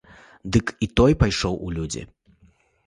Дык той і пайшоў у людзі.